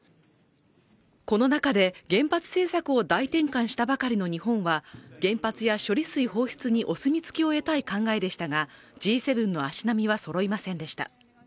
この中で原発政策を大転換したばかりの日本は、原発や処理水放出にお墨付きを得たい考えでしたがＧ７の足並みはそろいませんでした。